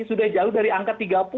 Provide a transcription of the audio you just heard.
sudah jauh dari angka tiga puluh